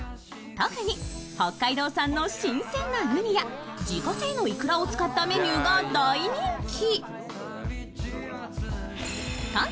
特に北海道産の新鮮なうにや自家製のイクラを使ったメニューが大人気。